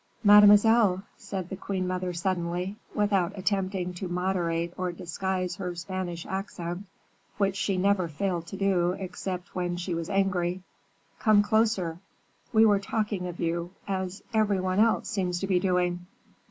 "Mademoiselle," said the queen mother suddenly, without attempting to moderate or disguise her Spanish accent, which she never failed to do except when she was angry, "come closer; we were talking of you, as every one else seems to be doing."